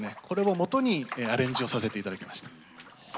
これをもとにアレンジをさせて頂きました。